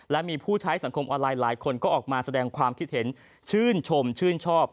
และมีผู้ใช้สังคมออนไลน์หลายคนก็ออกมาแสดงความคิดเห็นชื่นชมชื่นชอบ